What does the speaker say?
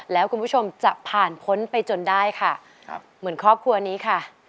แล้วคุณผู้ชมจะผ่านพ้นไปจนได้ค่ะครับเหมือนครอบครัวนี้ค่ะ